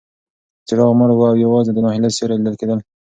څراغ مړ و او یوازې د ناهیلۍ سیوري لیدل کېدل.